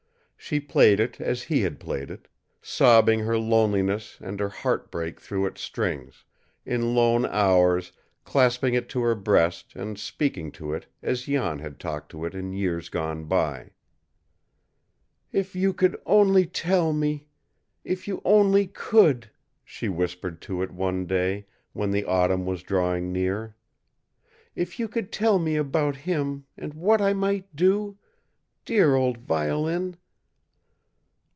She played it as he had played it, sobbing her loneliness and her heart break through its strings, in lone hours clasping it to her breast and speaking to it as Jan had talked to it in years gone by. "If you could only tell me if you only could!" she whispered to it one day, when the autumn was drawing near. "If you could tell me about him, and what I might do dear old violin!"